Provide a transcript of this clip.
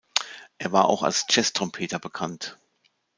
Er war auch als Jazz-Trompeter bekannt.